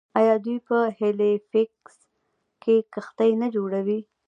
آیا دوی په هیلیفیکس کې کښتۍ نه جوړوي؟